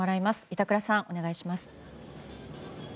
板倉さん、お願いします。